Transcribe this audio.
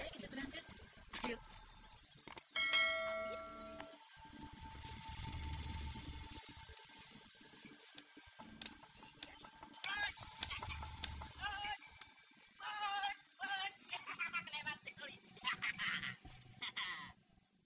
kita berangkat yuk